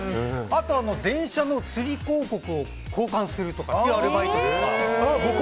あと電車のつり広告を交換するアルバイトとか。